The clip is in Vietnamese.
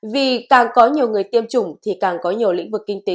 vì càng có nhiều người tiêm chủng thì càng có nhiều lĩnh vực kinh tế